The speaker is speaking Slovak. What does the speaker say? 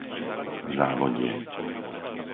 Závodie